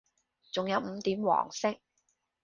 仲有五點黃色